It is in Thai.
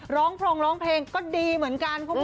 ร้องโพรงร้องเพลงก็ดีเหมือนกัน